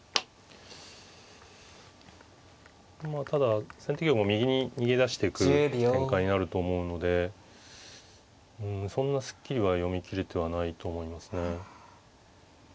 まあただ先手玉も右に逃げ出していく展開になると思うのでそんなすっきりは読み切れてはないと思いますね。